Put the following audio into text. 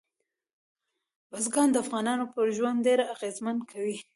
بزګان د افغانانو پر ژوند ډېر اغېزمن کوي.